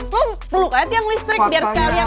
lo peluk aja yang listrik biar lo kesetrum sekalian